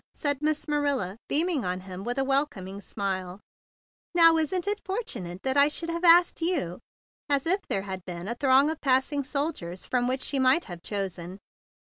said Miss Ma¬ nila, beaming on him with a welcom¬ ing smile. "Now isn't it fortunate I should have asked you?" as if there had been a throng of passing soldiers from which she might have chosen.